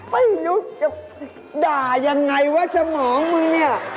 ไม่รู้จะด่ายังไงว่าสมองมึงเนี่ย